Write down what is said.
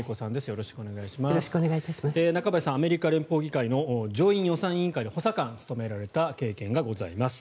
中林さんはアメリカ議会の上院予算委員会で補佐官を務められた経験がございます。